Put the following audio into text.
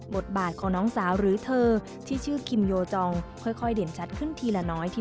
บทบาทของน้องสาวหรือเธอที่ชื่อคิมโยจองค่อยเด่นชัดขึ้นทีละน้อยที